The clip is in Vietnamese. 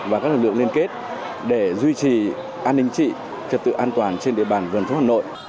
và các lực lượng liên kết để duy trì an ninh trị trật tự an toàn trên địa bàn vườn thông hà nội